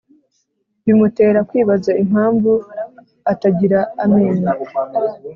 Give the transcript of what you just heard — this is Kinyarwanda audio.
bimutera kwibaza impamvu atagira amenyo